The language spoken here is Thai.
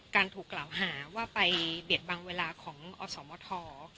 ถูกกล่าวหาว่าไปเบียดบังเวลาของอสมท